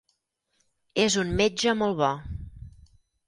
És un metge molt bo.